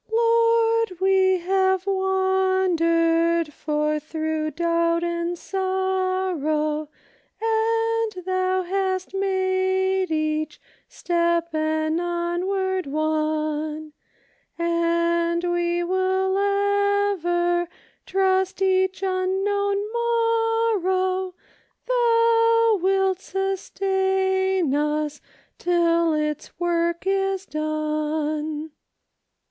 " Lord ! we have wandered forth through doubt and sorrow. And thou hast made each step an onward one ; And we will ever trust each unknown morrow ; Thou wilt sustain us till its work is done."